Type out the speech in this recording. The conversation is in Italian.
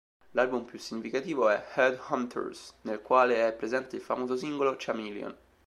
L'album più significativo è "Head Hunters" nel quale è presente il famoso singolo "Chameleon".